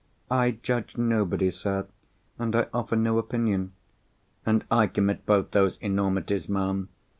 "I judge nobody, sir, and I offer no opinion." "And I commit both those enormities, ma'am.